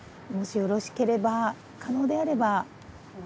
もしよろしければ可能であれば。